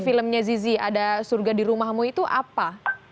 filmnya zizi ada surga di rumahmu itu apa